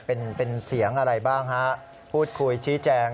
เป็นเสียงอะไรบ้างฮะพูดคุยชี้แจง